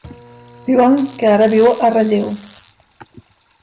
Diuen que ara viu a Relleu.